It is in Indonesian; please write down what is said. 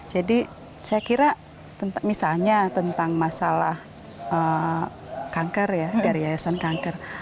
jadi saya kira misalnya tentang masalah kanker ya dari yayasan kanker